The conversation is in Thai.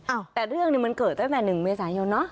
อ้าวแต่เรื่องนี้มันเกิดตั้งแต่๑เมษายนเนอะ